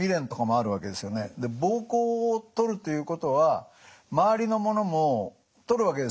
膀胱を取るということは周りのものも取るわけですよ。